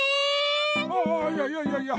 ああいやいやいやいや。